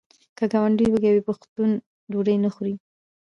که ګاونډی وږی وي پښتون ډوډۍ نه خوري.